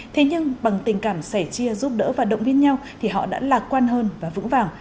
thế nhưng bằng tình cảm sẻ chia giúp đỡ và động viên nhau thì họ đã lạc quan hơn và vững vàng